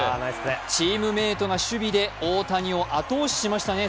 チームメートが守備で大谷を後押ししましたね。